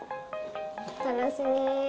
楽しみ。